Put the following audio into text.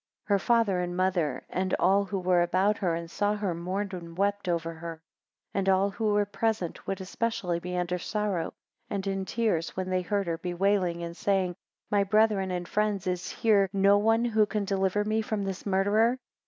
4 Her father and mother, and all who were about her and saw her, mourned and wept over her; 5 And all who were present would especially be under sorrow and in tears, when they heard her bewailing and saying, My brethren and friends, is here no one who can deliver me from this murderer?